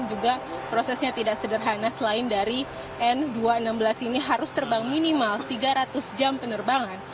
juga prosesnya tidak sederhana selain dari n dua ratus enam belas ini harus terbang minimal tiga ratus jam penerbangan